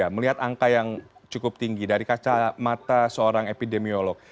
melihat angka yang cukup tinggi dari kacamata seorang epidemiolog